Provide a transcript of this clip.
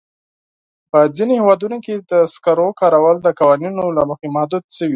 په ځینو هېوادونو کې د سکرو کارول د قوانینو له مخې محدود شوي.